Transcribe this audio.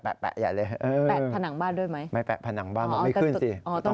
แปะผนังบ้านด้วยไหมอ๋อต้นไม้ก็พอใช่ไหมไม่แปะผนังบ้านมันไม่ขึ้นสิ